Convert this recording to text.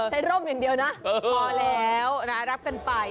ร่มอย่างเดียวนะพอแล้วนะรับกันไป